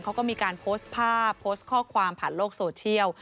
เขาก็มีการโพสต์ภาพโพสต์ข้อความผ่านโลกโซเชียล